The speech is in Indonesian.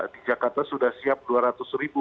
di jakarta sudah siap dua ratus ribu